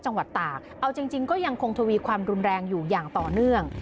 จังหวัดตากเอาจริงก็ยังคงทวีความรุนแรงอยู่อย่างต่อเนื่อง